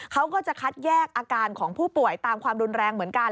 เขาก็จะคัดแยกอาการของผู้ป่วยตามความรุนแรงเหมือนกัน